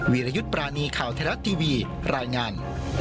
วิรยุทธ์ปรานีข่าวไทยรัฐทีวีรายงาน